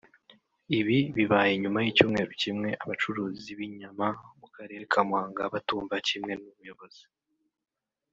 Ibi bibaye nyuma y’icyumweru kimwe abacuruzi b’inyama mu Karere ka Muhanga batumva kimwe n’ubuyobozi